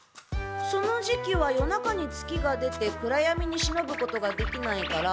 その時期は夜中に月が出て暗闇に忍ぶことができないから。